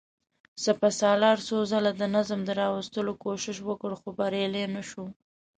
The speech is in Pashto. سپهسالار څو ځله د نظم د راوستلو کوشش وکړ، خو بريالی نه شو.